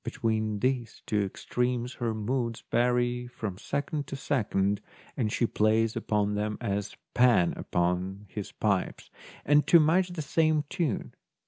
Between these two extremes her moods vary 134 THE DAY BEFORE YESTERDAY from second to second, and she plays upon them as Pan upon his pipes, and to much the same tune.